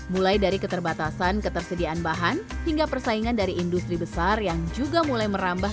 mulai dari keterbatasan ketersediaan bahan hingga persaingan dari industri besar yang juga mulai merambah